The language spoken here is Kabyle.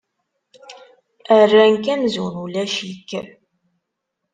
Rran-k amzun ulac-ik.